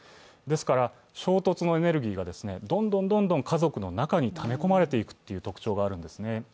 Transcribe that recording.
ですから衝突のエネルギーがどんどん家族の中にため込まれていくという特徴があるんですね。